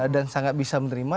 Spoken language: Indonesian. dan sangat bisa menerima